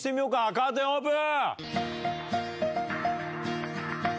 カーテンオープン。